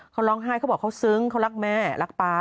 เขาร้องไห้เขาบอกเขาซึ้งเขารักแม่รักป๊า